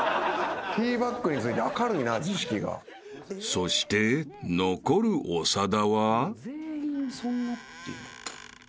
［そして残る長田は］